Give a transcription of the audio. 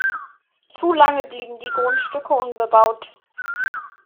Zu lange blieben die Grundstücke unbebaut.